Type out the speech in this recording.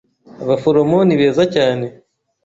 Abaforomo ni beza cyane.